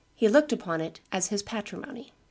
He looked upon it as his patrimony.